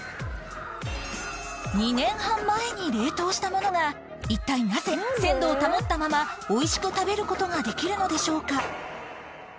２年半前に冷凍したものが一体なぜ鮮度を保ったままおいしく食べる事ができるのでしょうか